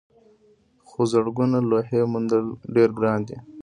خو زرګونه لوحې موندل ډېر ګران وي.